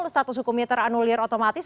status hukumnya teranulir otomatis